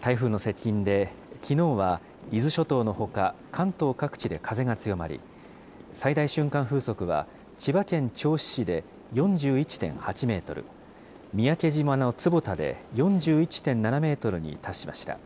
台風の接近で、きのうは伊豆諸島のほか、関東各地で風が強まり、最大瞬間風速は、千葉県銚子市で４１．８メートル、三宅島の坪田で４１．７メートルに達しました。